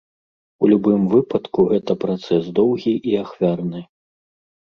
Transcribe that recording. У любым выпадку гэта працэс доўгі і ахвярны.